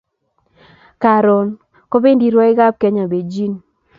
Karun kobendi rwaik ab kenya Bejin